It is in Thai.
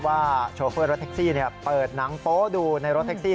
โชเฟอร์รถแท็กซี่เปิดหนังโป๊ดูในรถแท็กซี่